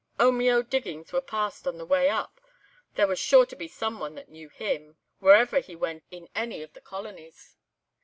"Omeo diggings were passed on the way up. There was sure to be some one that knew him, wherever he went in any of the colonies.